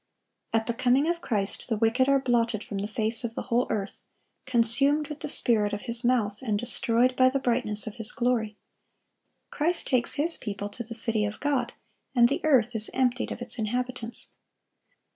(1140) At the coming of Christ the wicked are blotted from the face of the whole earth,—consumed with the spirit of His mouth, and destroyed by the brightness of His glory. Christ takes His people to the city of God, and the earth is emptied of its inhabitants.